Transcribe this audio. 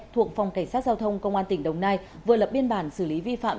thuộc phòng cảnh sát giao thông công an tỉnh đồng nai vừa lập biên bản xử lý vi phạm